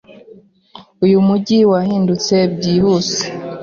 Uyu mujyi wahindutse byihuse.